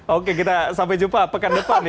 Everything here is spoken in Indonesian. oke kita sampai jumpa pekan depan ya